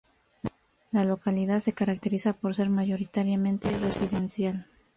La localidad se caracteriza por ser mayoritariamente residencial.